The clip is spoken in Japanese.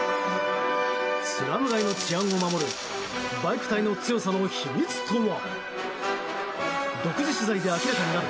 スラム街の治安を守るバイク隊の強さの秘密とは？